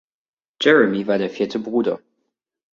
Jeremy war der vierte Bruder.